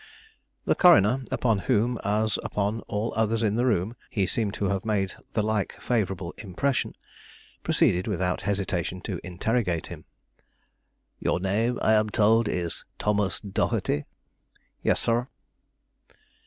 The coroner, upon whom, as upon all others in the room, he seemed to have made the like favorable impression, proceeded without hesitation to interrogate him. "Your name, I am told, is Thomas Dougherty?" "Yes, sir."